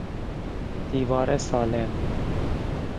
دیوار سالم